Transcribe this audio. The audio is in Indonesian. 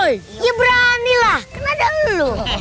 ya beranilah kenapa ada lu